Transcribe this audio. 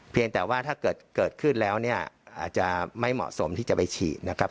เพียงแต่ว่าถ้าเกิดขึ้นแล้วเนี่ยอาจจะไม่เหมาะสมที่จะไปฉีดนะครับ